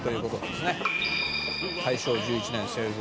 「大正１１年製造。